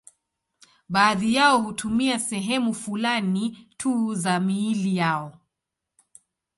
Baadhi yao hutumia sehemu fulani tu za miili yao.